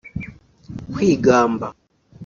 kwigamba